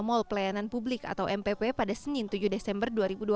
mall pelayanan publik atau mpp pada senin tujuh desember dua ribu dua puluh